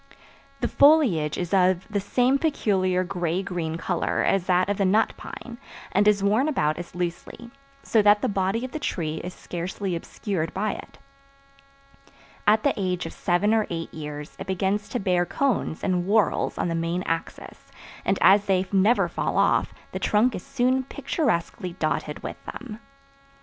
The foliage is of the same peculiar gray green color as that of the nut pine, and is worn about as loosely, so that the body of the tree is scarcely obscured by it. At the age of seven or eight years it begins to bear cones in whorls on the main axis, and as they never fall off, the trunk is soon picturesquely dotted with them.